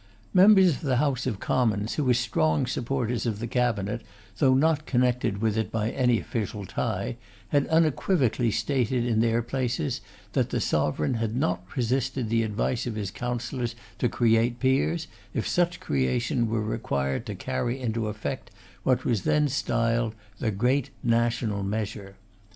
Members of the House of Commons, who were strong supporters of the cabinet, though not connected with it by any official tie, had unequivocally stated in their places that the Sovereign had not resisted the advice of his counsellors to create peers, if such creation were required to carry into effect what was then styled 'the great national measure.